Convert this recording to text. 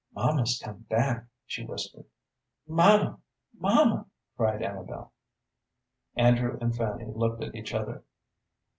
"Mamma's come back," she whispered. "Mamma, mamma!" cried Amabel. Andrew and Fanny looked at each other.